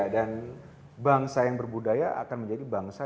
bangsa yang berbudaya akan menjadi bangsa